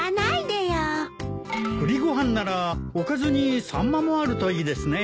栗ご飯ならおかずにサンマもあるといいですね。